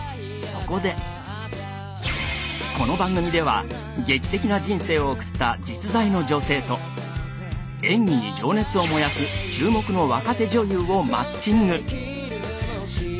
そこでこの番組では劇的な人生を送った実在の女性と演技に情熱を燃やす注目の若手女優をマッチング。